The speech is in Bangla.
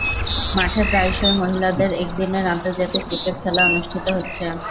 মাঠে প্রায়শঃই মহিলাদের একদিনের আন্তর্জাতিক ক্রিকেট খেলা অনুষ্ঠিত হচ্ছে।